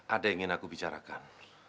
ada yang ingin aku bicarakan